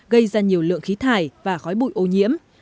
gây ra nhiều lượng khí thải và khói bụi ô nhiễm